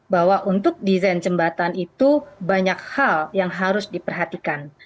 bahwa untuk desain jembatan itu banyak hal yang harus diperhatikan